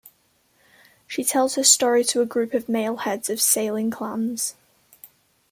She tells her story to a group of male heads of sailing clans.